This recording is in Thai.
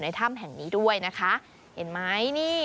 ในธรรมแห่งนี้ด้วยนะคะเห็นไหม